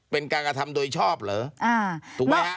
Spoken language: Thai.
เป็นการกระทำโดยชอบเหรอถูกไหมฮะ